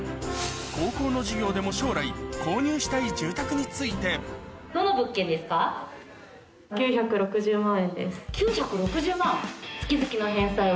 高校の授業でも将来購入したい住宅について９６０万？